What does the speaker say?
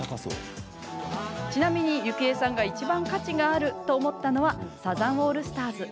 ちなみに、ゆきえさんがいちばん価値があると思ったのはサザンオールスターズ。